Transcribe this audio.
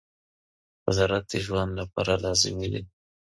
قدرت د ژوند لپاره لازمي دی.